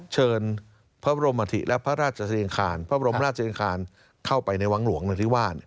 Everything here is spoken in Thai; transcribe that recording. เชิญพระบรมอัฐิและพระราชเศรียญคารพระบรมราชเศรียญคารเข้าไปในวังหลวงนฤทธิวา